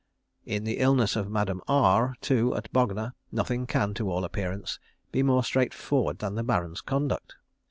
In the illness of Madame R, too, at Bognor, nothing can, to all appearance, be more straightforward than the Baron's conduct.